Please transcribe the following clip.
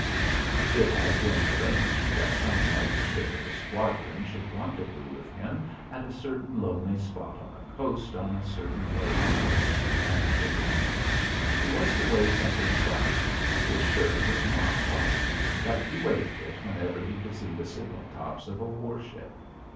"Naw." It had been arranged that some light ship of the squadron should rendezvous with him at a certain lonely spot on the coast on a certain day and hour and pick him up. He was to wave something white. His shirt was not white, but he waved it whenever he could see the signal tops of a war ship.